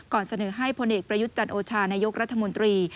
เสนอให้พลเอกประยุทธ์จันโอชานายกรัฐมนตรี